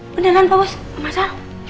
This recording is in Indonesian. beneran pak bos masa